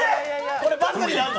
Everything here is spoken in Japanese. これ罰になんの？